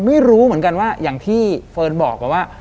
ไม่รู้เหมือนกันว่าอย่างที่เฟิร์นบอกไปว่า